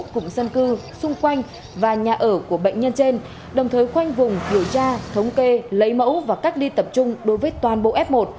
cụm dân cư xung quanh và nhà ở của bệnh nhân trên đồng thời khoanh vùng điều tra thống kê lấy mẫu và cách ly tập trung đối với toàn bộ f một